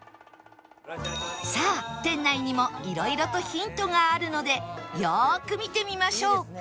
さあ店内にもいろいろとヒントがあるのでよーく見てみましょう